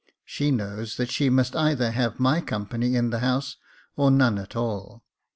She knows that she must either have my company in the house, or none at all.